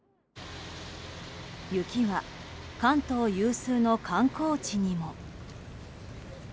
雪は関東有数の観光地にも。